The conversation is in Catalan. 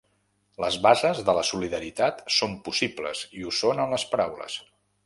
Les bases de la solidaritat són possibles i ho són en les paraules.